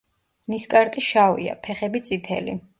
ნისკარტი შავია, ფეხები წითელი.